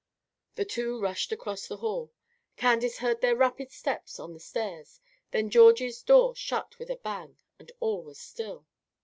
The two rushed across the hall. Candace heard their rapid steps on the stairs; then Georgie's door shut with a bang, and all was still.